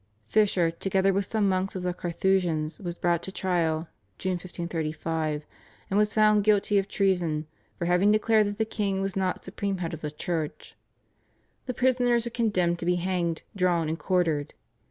Fisher, together with some monks of the Carthusians, was brought to trial (June 1535), and was found guilty of treason for having declared that the king was not supreme head of the Church. The prisoners were condemned to be hanged, drawn, and quartered.